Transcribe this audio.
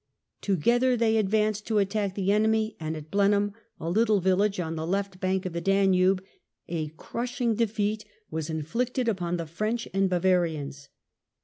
Together they advanced to attack the enemy, and at Blenheim, a little village on the left bank of the Danube, a crushing defeat was inflicted upon the French and Bavarians.